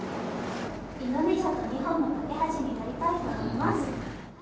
インドネシアと日本の懸け橋になりたいと思います。